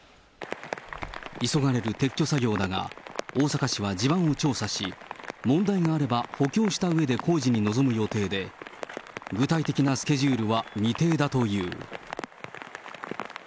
急がれる撤去作業だが、大阪市は地盤を調査し、問題があれば、補強したうえで工事に臨む予定で、具体的なスケジュールは未定だという。